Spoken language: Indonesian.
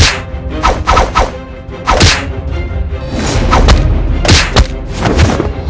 jangan kandung stemsih dengan ku